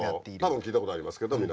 多分聞いたことありますけど皆さん。